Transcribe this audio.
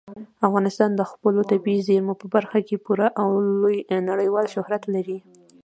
افغانستان د خپلو طبیعي زیرمو په برخه کې پوره او لوی نړیوال شهرت لري.